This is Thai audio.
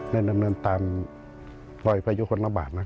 แน่นดำเนินตามรอยพยุคลนบาท